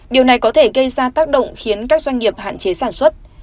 điều này có thể gây ra tác động khiến các doanh nghiệp hạn chế sản xuất